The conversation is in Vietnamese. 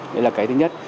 đấy là cái thứ nhất